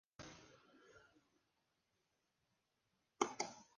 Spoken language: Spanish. La mayor parte de su cuerpo está constituida por materiales compuestos.